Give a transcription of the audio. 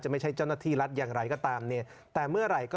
ไม่ใช่เจ้าหน้าที่รัฐอย่างไรก็ตามเนี่ยแต่เมื่อไหร่ก็